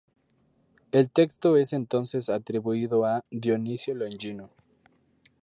El texto es entonces atribuido a "Dionisio Longino".